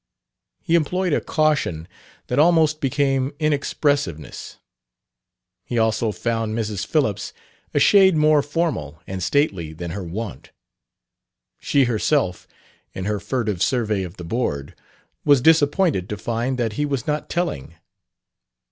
He employed a caution that almost became inexpressiveness. He also found Mrs. Phillips a shade more formal and stately than her wont. She herself, in her furtive survey of the board, was disappointed to find that he was not telling.